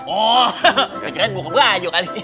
oh keren buka baju kali